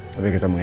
tapi ketemu ya